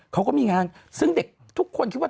เขาก็มีงานซึ่งเด็กทุกคนคิดว่า